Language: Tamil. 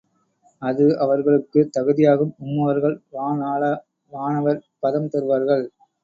அது அவர்களுக்குத் தகுதியாகும் உம்மவர்கள் வான் ஆள வானவர் பதம் தருவார்கள்.